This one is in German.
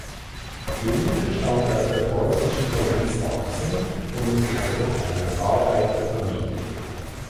Günther stammt aus der preußischen Provinz Sachsen und ist der Sohn einer Arbeiterfamilie.